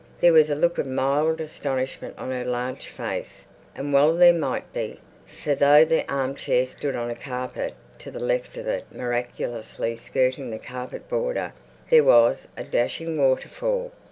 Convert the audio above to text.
There was a look of mild astonishment on her large face, and well there might be. For though the arm chair stood on a carpet, to the left of it, miraculously skirting the carpet border, there was a dashing water fall.